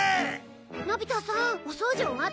のび太さんお掃除終わったわ。